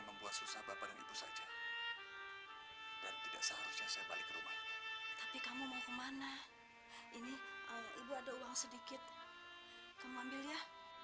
sampai jumpa di video selanjutnya